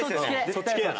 そっち系やな。